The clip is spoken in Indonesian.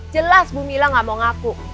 jelas bu mila gak mau ngaku